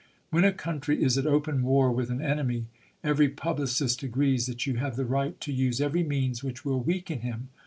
.. When a country is at open war with an enemy every publicist agrees that you have the right to use every means which will weaken him.